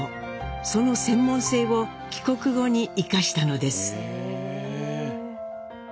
その専門性を帰国後に生かしたのです。